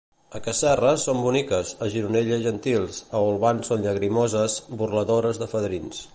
A Casserres són boniques, a Gironella, gentils, a Olvan són llagrimoses, burladores de fadrins.